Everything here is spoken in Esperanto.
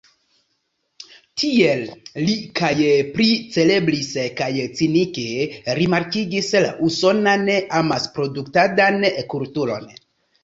Tiel li kaj pricelebris kaj cinike rimarkigis la usonan amasproduktadan kulturon.